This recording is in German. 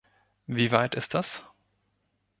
Wie weit ist das?